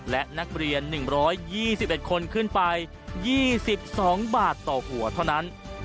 และนักเรียน๑๒๑คนขึ้นไป๒๒บาทต่อหัวเท่านั้น